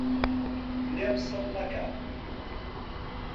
لێم سڵ مەکە